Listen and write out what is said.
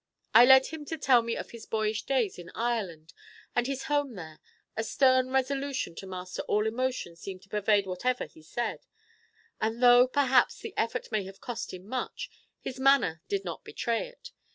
I led him to tell me of his boyish days in Ireland and his home there; a stern resolution to master all emotion seemed to pervade whatever he said; and though, perhaps, the effort may have cost him much, his manner did not betray it.